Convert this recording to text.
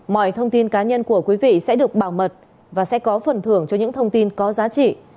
mọi thông tin cá nhân của quý vị sẽ được bảo mật và sẽ có phần thưởng cho những thông tin có giá trị